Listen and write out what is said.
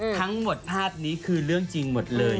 ทั้งหมดภาพนี้คือเรื่องจริงหมดเลย